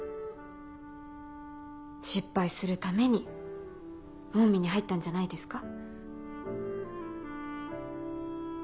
失敗するためにオウミに入ったんじゃないですか？